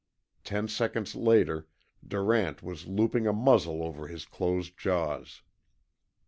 Ten seconds later Durant was looping a muzzle over his closed jaws.